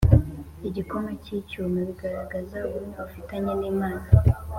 igikomo cy’icyuma, bigaragaza ubumwe ufitanye n’imana